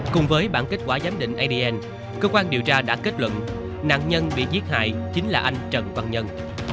cùng với bản kết quả giám định adn cơ quan điều tra đã kết luận nạn nhân bị giết hại chính là anh trần văn nhân